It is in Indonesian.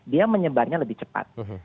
dia menyebarnya lebih cepat